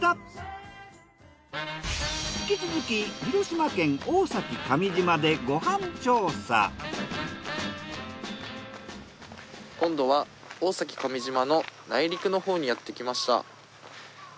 引き続き今度は大崎上島の内陸のほうにやってきました。